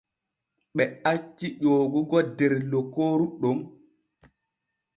Ɓe acci ƴoogogo der lokooru ɗon.